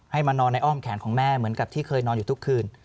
มานอนในอ้อมแขนของแม่เหมือนกับที่เคยนอนอยู่ทุกคืน